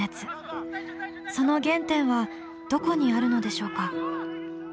その原点はどこにあるのでしょうか？